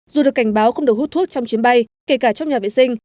dù được cảnh báo không được hút thuốc trong chuyến bay kể cả trong nhà vệ sinh